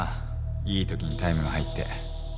いいときにタイムが入って。